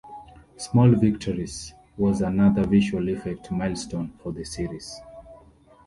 "Small Victories" was another visual effects milestone for the series.